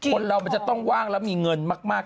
คนเรามันจะต้องว่างแล้วมีเงินมาก